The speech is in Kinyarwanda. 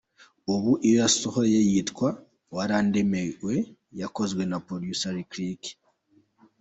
Ubu iyo yasohoye yitwa ‘Warandemewe’ yakozwe na Producer Lick Lick.